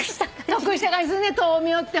得した感じするね豆苗って。